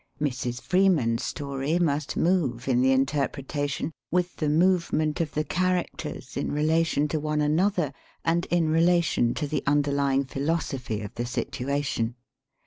Mrs. Freeman's story must move in the interpretation with the move ment of the characters in relation to one another and in relation to the under lying philosophy of the situation.